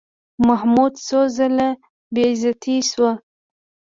محمود څو ځله بېعزتي شو.